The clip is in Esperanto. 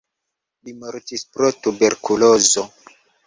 Li mortis pro tuberkulozo.